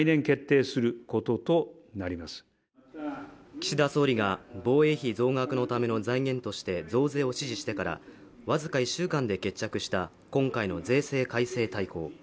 岸田総理が防衛費増額のための財源として増税を支持してからわずか１週間で決着した今回の税制改正大綱